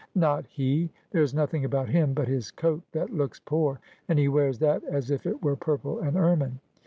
' Not he. There is nothing about him but his coat that looks poor, and he wears that as if it were purple and ermine.